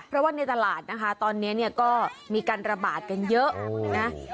เพราะว่าในตลาดนะคะตอนนี้เนี่ยก็มีการระบาดกันเยอะนะ